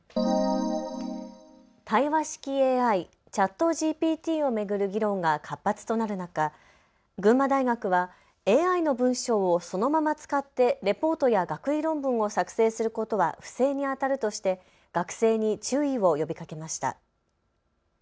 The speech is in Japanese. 対話式ＡＩ、ＣｈａｔＧＰＴを巡る議論が活発となる中、群馬大学はＡＩの文章をそのまま使ってレポートや学位論文を作成することは不正にあたるとして学生に注意を呼びかけました。